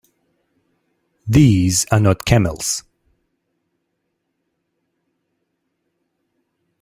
These are not camels!